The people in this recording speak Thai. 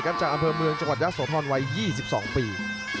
กันจากอันเพิ่มเมืองจังหวัดยะโสทอนวัย๒๒ปี